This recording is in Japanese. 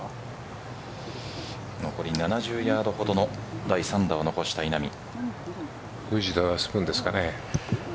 残り７０ヤードほどの第３打を残した稲見。